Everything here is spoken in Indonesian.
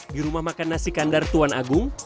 di rumah makan nasi kandar tuan agung